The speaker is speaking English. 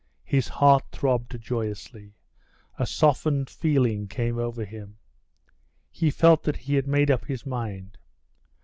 His heart throbbed joyously. A softened feeling came over him. He felt that he had made up his mind.